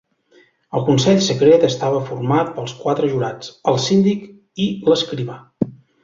El Consell Secret estava format pels quatre jurats, el síndic i l'escrivà.